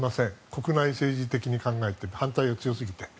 国内政治的に反対が強すぎて。